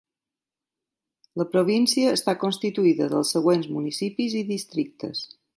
La província està constituïda dels següents Municipis i Districtes.